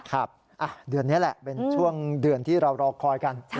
ครับเดือนนี้แหละเป็นช่วงเดือนที่เรารอคอยกัน